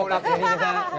oh yang ngerus bakal